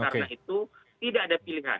karena itu tidak ada pilihan